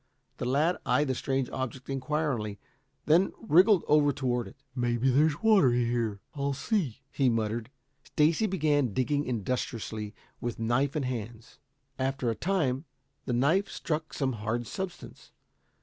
The lad eyed the strange object inquiringly, then wriggled over toward it. "Maybe there's water here. I'll see," he muttered. Stacy began digging industriously with knife and hands. After a time the knife struck some hard substance.